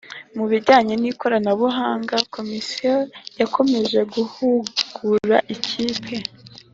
Mu bijyanye n ikoranabuhanga Komisiyo yakomeje guhugura ikipe